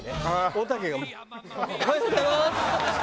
おたけが「おはようございます」。